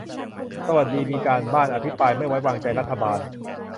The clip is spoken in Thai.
สวัสดีมีการบ้าน อภิปรายไม่ไว้วางใจรัฐบาล